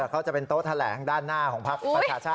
เขาจะเป็นโต๊ะแถลงด้านหน้าของภรรยาชัย